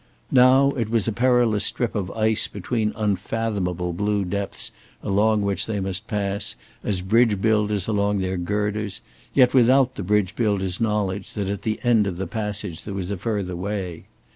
Now it was a perilous strip of ice between unfathomable blue depths along which they must pass, as bridge builders along their girders, yet without the bridge builders' knowledge that at the end of the passage there was a further way.